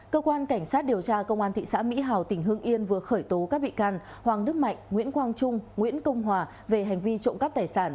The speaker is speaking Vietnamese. cơ quan cảnh sát điều tra công an thị xã mỹ hào tỉnh hưng yên vừa khởi tố các bị can hoàng đức mạnh nguyễn quang trung nguyễn công hòa về hành vi trộm cắp tài sản